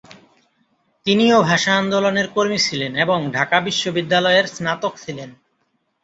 তিনিও ভাষা আন্দোলনের কর্মী ছিলেন এবং ঢাকা বিশ্ববিদ্যালয়ের স্নাতক ছিলেন।